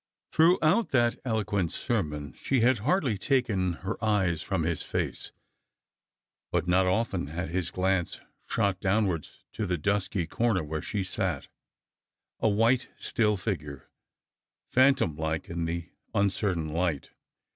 Throughout that eloquent sermon she had hardly taken her eyes from his face ; but not often had his glance shot downwards/ to the dusky comer where she sat, a white still figure, phantom like in the uncertain hght.